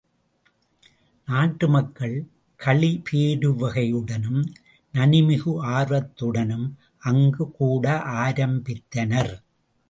நாட்டு மக்கள் களிபேருவகையுடனும் நனிமிகு ஆர்வத்துடனும் அங்கு கூட ஆரம்பித்தனர்.